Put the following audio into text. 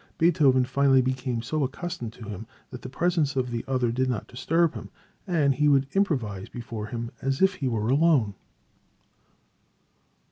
Beethoven finally became so accustomed to him, that the presence of the other did not disturb him, and he would improvise before him as if he were alone.